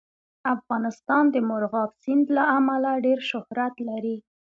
افغانستان د مورغاب سیند له امله ډېر شهرت لري.